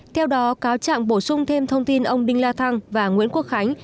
theo đó cáo trạng bổ sung thêm thông tin ông đinh la thăng và nguyễn quốc khánh